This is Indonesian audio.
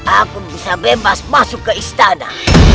aku bisa bebas masuk ke istana